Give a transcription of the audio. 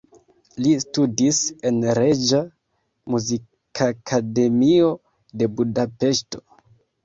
Li studis en Reĝa Muzikakademio de Budapeŝto.